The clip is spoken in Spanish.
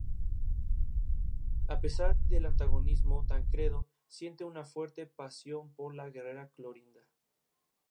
A pesar del antagonismo, Tancredo siente una fuerte pasión por la guerrera Clorinda.